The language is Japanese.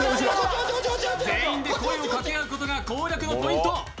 全員で声をかけ合うことが攻略のポイント。